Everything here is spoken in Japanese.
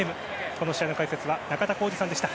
この試合の解説は中田浩二さんでした。